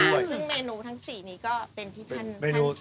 ซึ่งเมนูทั้ง๔นี้ก็เป็นที่ท่าน